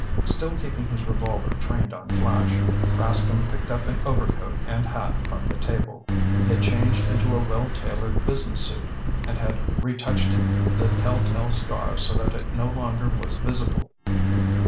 Still keeping his revolver trained on Flash, Rascomb picked up an overcoat and hat from the table. He had changed into a well tailored business suit, and had re touched the telltale scar so that it no longer was visible.